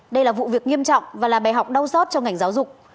đây là vụ việc nghiêm trọng và là bài học đau sót cho ngành giáo dục